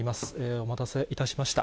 お待たせいたしました。